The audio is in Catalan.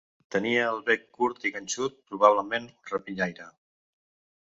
Tenia el bec curt i ganxut, probablement un rapinyaire.